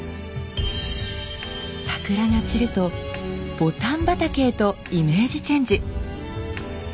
桜が散ると牡丹畑へとイメージチェンジ！